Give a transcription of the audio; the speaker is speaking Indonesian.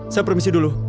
saya permisi dulu